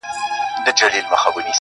ته هم چنداني شی ولاکه يې ه ياره~